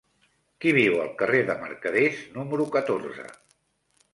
Qui viu al carrer de Mercaders número catorze?